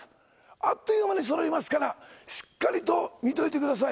あっという間にそろいますから、しっかりと見ておいてください。